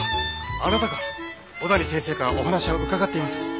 あなたが男谷先生からお話は伺っています。